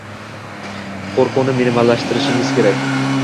Qoʻrquvni minimallashtirishing kerak.